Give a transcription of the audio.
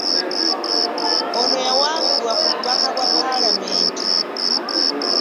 Ono yawangulwa ku bubaka bwa Paalamenti.